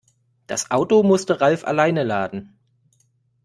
Das Auto musste Ralf alleine laden.